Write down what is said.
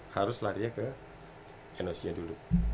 harus lari nya ke nos nya dulu